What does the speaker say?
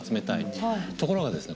ところがですね